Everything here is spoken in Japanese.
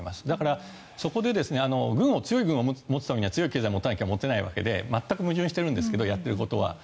だから、そこで強い軍を持つためには強い経済を持たないと持てないわけで全く矛盾しているんですけどやっていることは。